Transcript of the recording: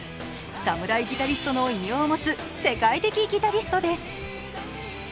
サムライ・ギタリストの異名を持つ世界的ギタリストです。